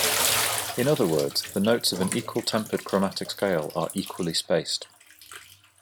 In other words, the notes of an equal-tempered chromatic scale are equally spaced.